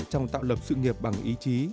trong tạo lập sự nghiệp bằng ý chí